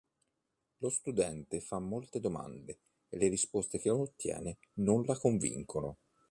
Lo studente fa molte domande e le risposte che ottiene non la convincono.